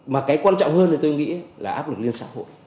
mà cái quan trọng hơn thì tôi nghĩ là áp lực lên xã hội